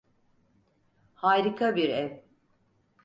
Harika bir ev.